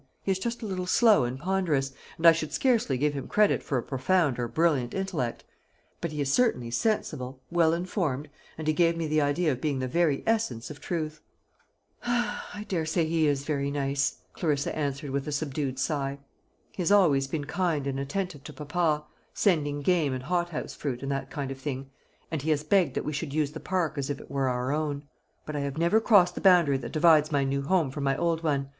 He is just a little slow and ponderous, and I should scarcely give him credit for a profound or brilliant intellect; but he is certainly sensible, well informed, and he gave me the idea of being the very essence of truth." "I daresay he is very nice," Clarissa answered with a subdued sigh. "He has always been kind and attentive to papa, sending game and hothouse fruit, and that kind of thing; and he has begged that we would use the park as if it were our own; but I have never crossed the boundary that divides my new home from my old one.